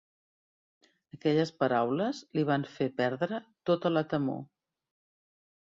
Aquelles paraules li van fer perdre tota la temor.